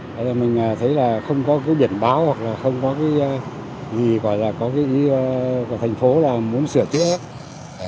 bây giờ mình thấy là không có cái biển báo hoặc là không có cái gì gọi là có cái thành phố là muốn sửa chứa